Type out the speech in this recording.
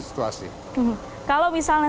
situasi kalau misalnya